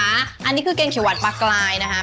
อันนี้คือแกงเขียวหวานปลากลายนะครับ